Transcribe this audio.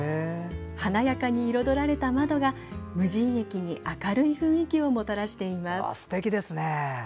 華やかに彩られた窓が、無人駅に明るい雰囲気をもたらしています。